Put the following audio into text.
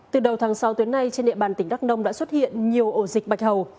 từ đầu tháng sáu tới nay trên địa bàn tỉnh đắk nông đã xuất hiện nhiều ổ dịch bạch hầu